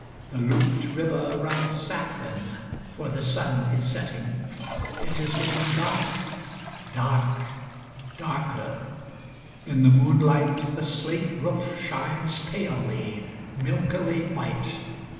The looped river runs saffron, for the sun is setting. It is getting dark. Dark. Darker. In the moonlight, the slate roof shines palely milkily white.